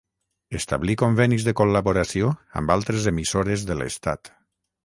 Establí convenis de col·laboració amb altres emissores de l'estat.